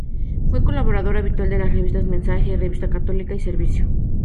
Fue colaborador habitual de las revistas "Mensaje", "Revista Católica" y "Servicio".